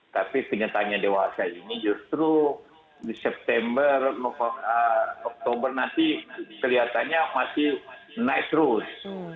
tapi kenyataannya dewasa ini justru di september oktober nanti kelihatannya masih naik terus